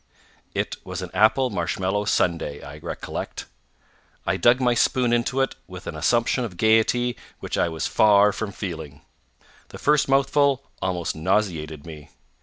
It was an apple marshmallow sundae, I recollect. I dug my spoon into it with an assumption of gaiety which I was far from feeling. The first mouthful almost nauseated me.